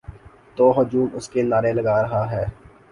تو ہجوم اس کے نعرے لگا رہا ہے۔